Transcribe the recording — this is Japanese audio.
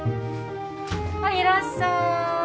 はいいらっしゃい。